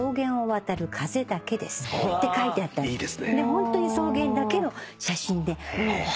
ホントに草原だけの写真でうわ